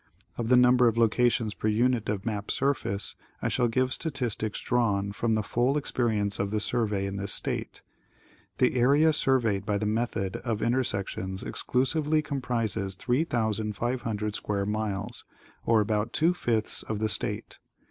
Of the number of locations per unit of maj) surface I shall give statistics drawn from the full experience of the Survey in this state. The area surveyed by the method of intei'sections exclus ively comprises 3,500 square miles, or about two fifths of the state.